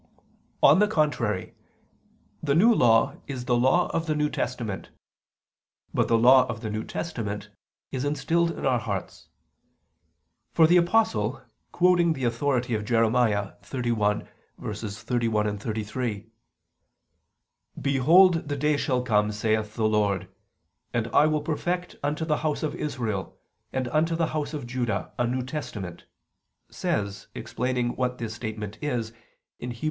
On the contrary, The New Law is the law of the New Testament. But the law of the New Testament is instilled in our hearts. For the Apostle, quoting the authority of Jeremiah 31:31, 33: "Behold the days shall come, saith the Lord; and I will perfect unto the house of Israel, and unto the house of Judah, a new testament," says, explaining what this statement is (Heb.